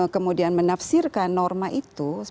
kemudian menafsirkan norma itu